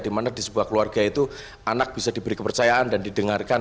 dimana di sebuah keluarga itu anak bisa diberi kepercayaan dan didengarkan